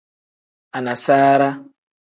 Anasaara.